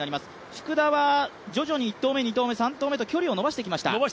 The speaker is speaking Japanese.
福田は徐々に１投目、２投目、３投目と距離を伸ばしてきました。